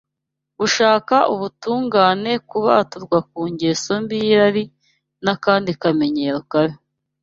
gushaka ubutungane, kubaturwa ku ngeso mbi y’irari n’akandi kamenyero kabi.